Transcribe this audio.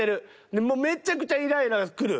もうめっちゃくちゃイライラくる。